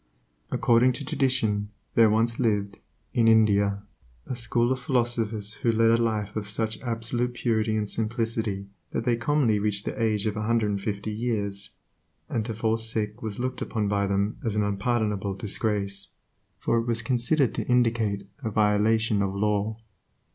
According to tradition, there once lived, in India, a school of philosophers who led a life of such absolute purity and simplicity that they commonly reached the age of one hundred and fifty years, and to fall sick was looked upon by them as an unpardonable disgrace, for it was considered to indicate a violation of law.